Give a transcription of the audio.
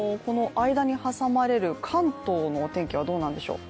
間に挟まれる関東のお天気はどうなんでしょう？